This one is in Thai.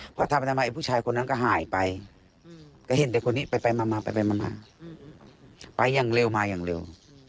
พอทำไปทำไมผู้ชายคนนั้นก็หายไปก็เห็นแต่คนนี้ไปมาไปมาไปอย่างเร็วมาอย่างเร็ว